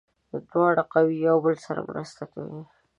دواړه قوې یو بل سره مرسته کوي.